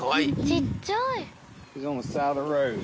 ちっちゃい。